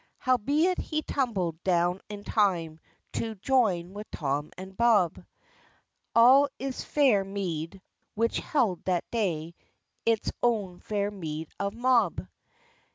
Howbeit he tumbled down in time To join with Tom and Bob, All in Fair Mead, which held that day Its own fair mead of mob.